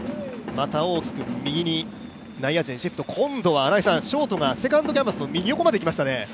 また大きく内野陣シフト、今度はショートがセカンドキャンバスの右横まで来ましたね。